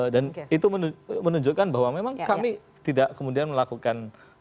dan itu menunjukkan bahwa memang kami tidak kemudian melakukan